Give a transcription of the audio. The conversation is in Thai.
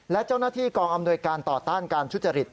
และเจ้าหน้าที่กองอำนวยการต่อต้านการทุจริต